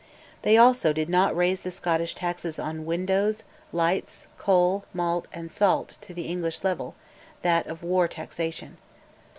They also did not raise the Scottish taxes on windows, lights, coal, malt, and salt to the English level, that of war taxation.